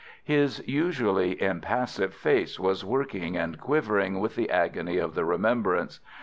His usually impassive face was working and quivering with the agony of the remembrance.